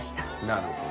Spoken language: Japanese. なるほど。